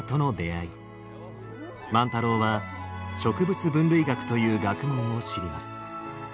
万太郎は植物分類学という学問を知ります。